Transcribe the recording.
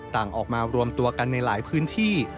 ต่างออกมารวมตัวกันในหลายพื้นที่